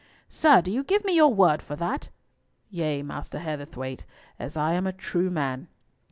"Sir, do you give me your word for that?" "Yea, Master Heatherthwayte, as I am a true man.